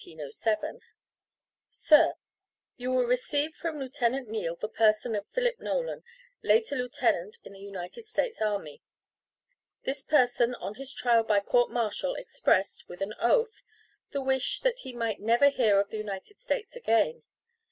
Sir, You will receive from Lieutenant Neale the person of Philip Nolan, late a lieutenant in the United States army. This person on his trial by court martial expressed, with an oath, the wish that he might never hear of the United States again.